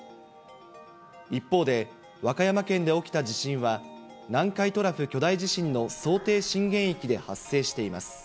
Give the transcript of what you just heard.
一方で、和歌山県で起きた地震は、南海トラフ巨大地震の想定震源域で発生しています。